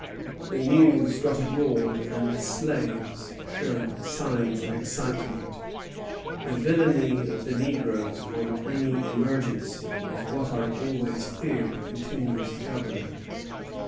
The news got abroad, and the slaves showed signs of excitement. "The villany of the negroes on any emergency is what I always feared," continues the Governor.